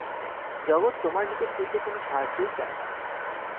জগৎ তোমার নিকট হইতে কোন সাহায্যই চায় না।